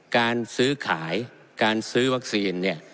การซื้อขายการซื้อวัคซีนเนี่ย